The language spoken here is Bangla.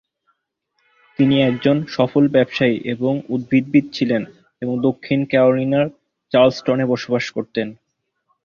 তিনি একজন সফল ব্যবসায়ী এবং উদ্ভিদবিদ ছিলেন এবং দক্ষিণ ক্যারোলিনার চার্লসটনে বসবাস করতেন।